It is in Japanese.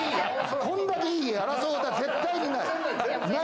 こんだけいい家で争い事は絶対にない。